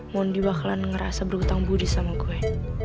mondi bakalan ngerasa berhutang budi sama gue